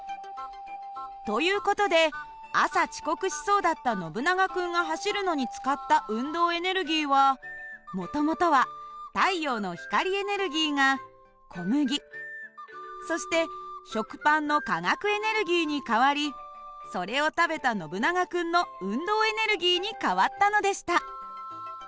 という事で朝遅刻しそうだったノブナガ君が走るのに使った運動エネルギーはもともとは太陽の光エネルギーが小麦そして食パンの化学エネルギーに変わりそれを食べたノブナガ君の運動エネルギーに変わったのでした。